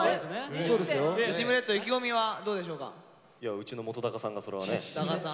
うちの本さんがそれはね。